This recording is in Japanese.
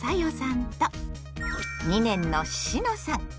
んと２年のしのさん。